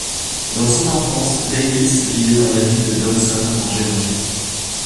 Dans son enfance, Davis vivait dans la ville de Dawson, en Géorgie.